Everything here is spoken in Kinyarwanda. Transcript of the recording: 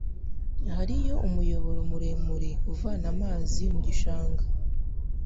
Hariyo umuyoboro muremure uvana amazi mu gishanga